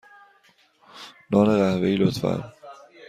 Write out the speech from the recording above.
نان قهوه ای، لطفا.